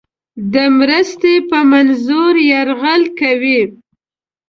د مرستې په منظور یرغل کوي.